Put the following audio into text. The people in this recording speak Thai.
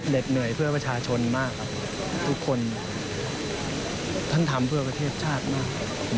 เหนื่อยเพื่อประชาชนมากครับทุกคนท่านทำเพื่อประเทศชาติมาก